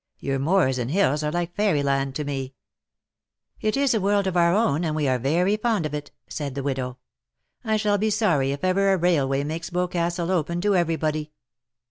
Your moors and hills are like fairy land to me !'^" It is a world of our own, and we are very fond of it,''^ said the widow ;^' I shall be sorry if ever a railway makes Boscastle open to every body.